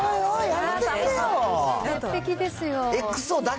完璧ですよ。